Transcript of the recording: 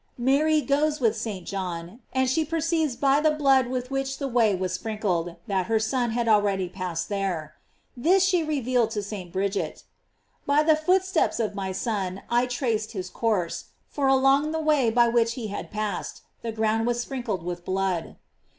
Mary goes with St. John, and she perceives by the blood with which the way was sprinkled, that her Son had already passed there. This she revealed to St. Bridget: "By the footsteps of my Son I traced his course, for along the way by which he had passed, the ground was sprink led with blood."